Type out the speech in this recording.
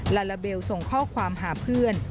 ลาลาเบลส่งข้อความหาเพื่อน